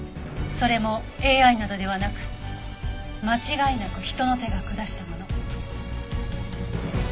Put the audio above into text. それもＡＩなどではなく間違いなく人の手が下したもの。